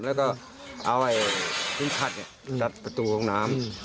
แล้วก็เอาไอ้พิมพ์ขัดจัดประตูห้องน้ำ